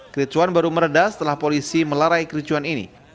kericuhan baru meredah setelah polisi melarai kericuhan ini